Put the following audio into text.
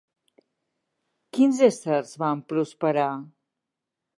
Quins éssers van prosperar?